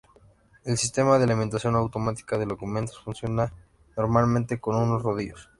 El sistema de alimentación automática de documentos funciona normalmente con unos rodillos.